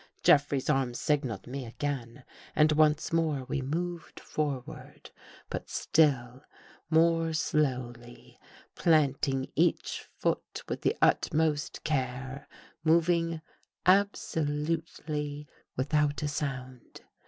i Jeffrey's arm signaled me again and once more I we moved forward, but still more slowly, planting ! each foot with the utmost care, moving absolutely \ without a sound.